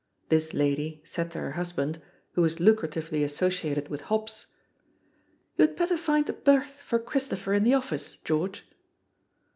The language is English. This lady said to her husband, who was lucratively associated with hops, "You had better find a berth for Chris topher in the office, George."